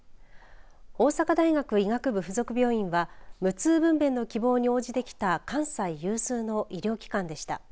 大阪大学医学部付属病院は無痛分娩の希望に応じてきた関西有数の医療機関でした。